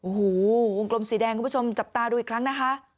โอ้โหวงกลมสีแดงคุณผู้ชมจับตาดูอีกครั้งนะคะ